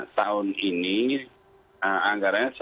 nah tahun ini anggarnya satu ratus lima puluh enam unit